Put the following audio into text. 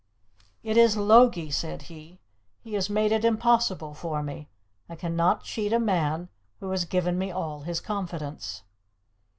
"It is Logie," said he. "He has made it impossible for me. I cannot cheat a man who has given me all his confidence."